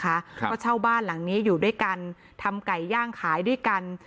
ครับก็เช่าบ้านหลังนี้อยู่ด้วยกันทำไก่ย่างขายด้วยกัน